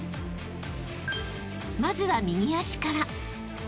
［まずは右足から］